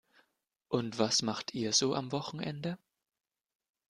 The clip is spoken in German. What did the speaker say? Und was macht ihr so am Wochenende?